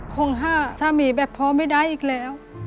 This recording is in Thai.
ห้าสามีแบบพอไม่ได้อีกแล้ว